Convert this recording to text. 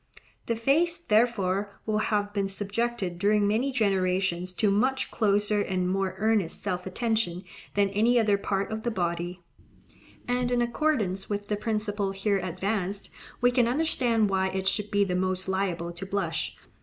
The face, therefore, will have been subjected during many generations to much closer and more earnest self attention than any other part of the body; and in accordance with the principle here advanced we can understand why it should be the most liable to blush.